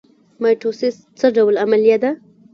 مایټوسیس څه ډول پروسه ده؟